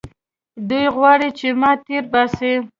دوى غواړي چې ما تېر باسي.